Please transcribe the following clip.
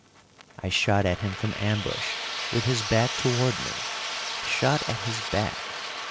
I shot at him from ambush, with his back toward me, shot at his back!